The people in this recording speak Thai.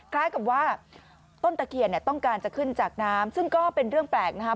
คล้ายกับว่าต้นตะเคียนเนี่ยต้องการจะขึ้นจากน้ำซึ่งก็เป็นเรื่องแปลกนะครับ